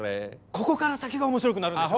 ここから先が面白くなるんです。